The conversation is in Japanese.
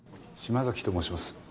島崎と申します。